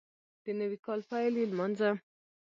د نوي کال پیل یې لمانځه